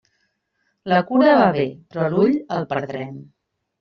La cura va bé, però l'ull el perdrem.